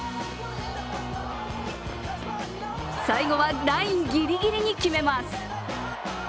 最後はラインぎりぎりに決めます。